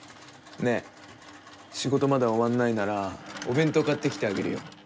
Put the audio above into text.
仕事まだ終わんないならお弁当買ってきてあげるよ。